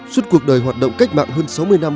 suốt cuộc đời hoạt động cách mạng hơn sáu mươi năm